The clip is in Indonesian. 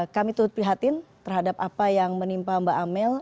kami turut prihatin terhadap apa yang menimpa mbak amel